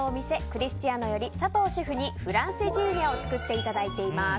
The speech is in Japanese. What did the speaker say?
クリスチアノより佐藤シェフにフランセジーニャを作っていただいています。